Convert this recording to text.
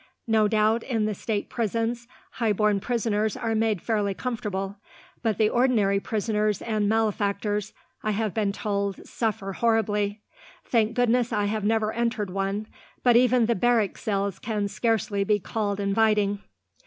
"No doubt, in the state prisons, high born prisoners are made fairly comfortable; but the ordinary prisoners and malefactors, I have been told, suffer horribly. Thank goodness I have never entered one; but even the barrack cells can scarcely be called inviting."